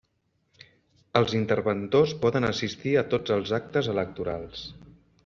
Els interventors poden assistir a tots els actes electorals.